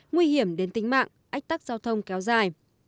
nguy hiểm đến tính mạng ách tắc giao thông kéo dài